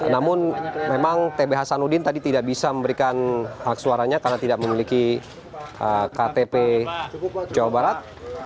namun memang tb hasanuddin tadi tidak bisa memberikan hak suaranya karena tidak memiliki ktp jawa barat